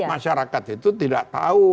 ya karena masyarakat itu tidak tahu